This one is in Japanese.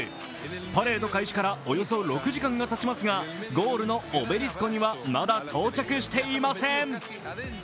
パレード開始から、およそ６時間がたちますが、ゴールのオベリスコにはまだ到着していません。